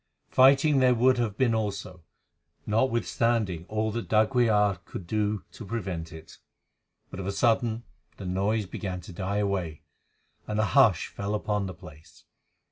Fighting there would have been also, notwithstanding all that d'Aguilar could do to prevent it; but of a sudden the noise began to die away, and a hush fell upon the place.